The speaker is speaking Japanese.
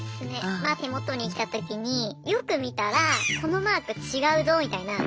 まあ手元に来た時によく見たらこのマーク違うぞみたいな。